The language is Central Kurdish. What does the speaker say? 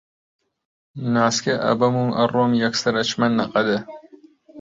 نازکێ ئەبەم و ئەڕۆم یەکسەر ئەچمە نەغەدە